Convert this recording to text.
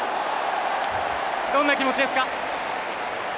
どんな気持ちですか？